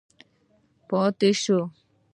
پاتې شو.